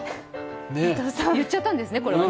言っちゃったんですね。